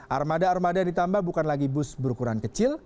armada armada ditambah bukan lagi bus berukuran kecil